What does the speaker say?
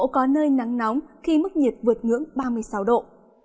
cục bộ có nơi nắng nóng khi mức nhiệt vượt ngưỡng ba mươi sáu độ